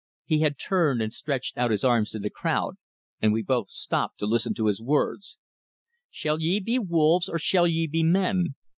He had turned and stretched out his arms to the crowd, and we both stopped to listen to his words. "Shall ye be wolves, or shall ye be men?